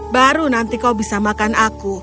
baru nanti kau bisa makan aku